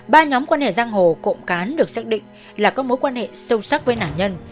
ba nhóm quan hệ giang hồ cộng cán được xác định là có mối quan hệ sâu sắc với nạn nhân